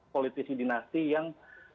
politisi dinasti yang